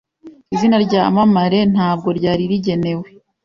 Izina ryamamare ntabwo ryari rigenewe